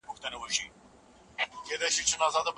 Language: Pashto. ښه اخلاق تل ژوند ښکلی جوړوي